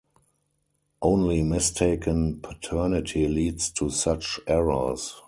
Only mistaken paternity leads to such errors.